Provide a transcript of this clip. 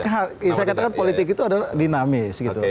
saya katakan politik itu adalah dinamis gitu